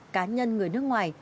cá nhân người nước ngoài